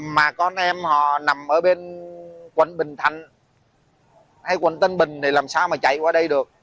mà con em họ nằm ở bên quận bình thạnh hay quận tân bình thì làm sao mà chạy qua đây được